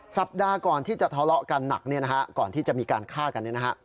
สัปดาห์ก่อนที่จะทะเลาะกันหนักเนี่ยนะฮะก่อนที่จะมีการฆ่ากันเนี่ยนะฮะ